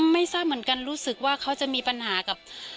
ไม่ทราบเหมือนกันรู้สึกว่าเขาจะมีปัญหากับ